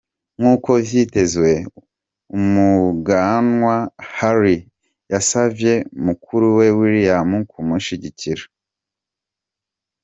Nk'uko vyitezwe, umuganwa Harry yasavye mukuruwe William kumushigikira.